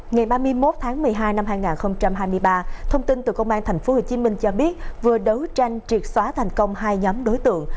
ngày ba mươi một tháng một mươi hai năm hai nghìn hai mươi ba thông tin từ công an tp hcm cho biết vừa đấu tranh triệt xóa thành công